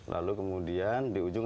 lalu kemudian di ujung